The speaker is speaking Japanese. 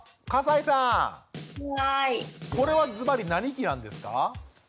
これはズバリ何期なんですか？